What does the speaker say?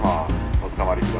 おつかまりください。